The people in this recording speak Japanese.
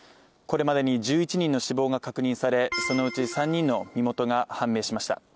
これまでに１１人の死亡が確認され、そのうち３人の身元が判明しました。